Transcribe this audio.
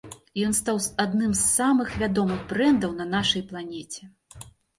Ён стаў адным з самых вядомых брэндаў на нашай планеце.